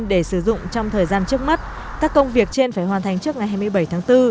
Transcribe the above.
để sử dụng trong thời gian trước mắt các công việc trên phải hoàn thành trước ngày hai mươi bảy tháng bốn